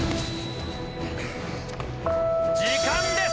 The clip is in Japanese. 時間です